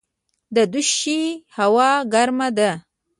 د دوشي هوا ګرمه ده